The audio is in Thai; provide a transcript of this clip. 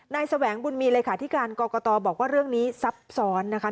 นายแสวงบุญมีร์เลยค่ะที่การกรกตบอกว่าเรื่องนี้ซับซ้อนนะคะ